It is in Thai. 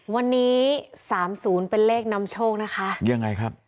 วันนี้สามศูนย์เป็นเลขนำโชคนะคะยังไงครับ